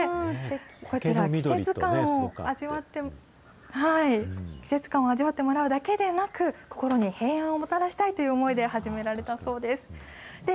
こちら、季節感を味わってもらうだけでなく、心に平安をもたらしたいという思いで始められたそうです。